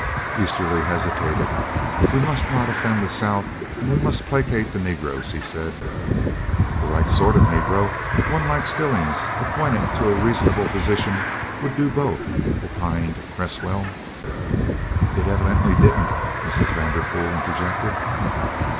Easterly hesitated. "We must not offend the South, and we must placate the Negroes," he said. "The right sort of Negro one like Stillings appointed to a reasonable position, would do both," opined Cresswell. "It evidently didn't," Mrs. Vanderpool interjected.